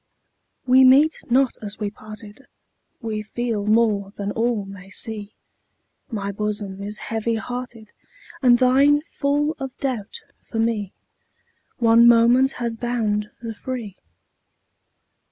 We meet not as we parted, We feel more than all may see; My bosom is heavy hearted, And thine full of doubt for me: One moment has bound the free.